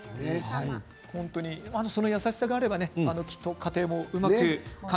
その優しさがあれば家庭もうまく。